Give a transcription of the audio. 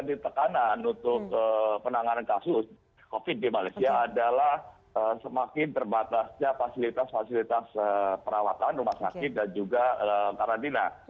jadi tekanan untuk penanganan kasus covid di malaysia adalah semakin terbatasnya fasilitas fasilitas perawatan rumah sakit dan juga karantina